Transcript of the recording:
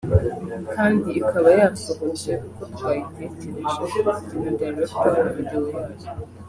kandi ikaba yasohotse uko twayitekereje njye na director Wa video yayo